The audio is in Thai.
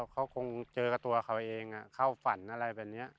เขาคงเจอกับตัวเขาเองเข้าฝันอะไรแบบนี้